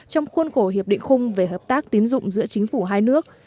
trong khuôn khổ hiệp định khung về hợp tác tín dụng giữa chính phủ hai nước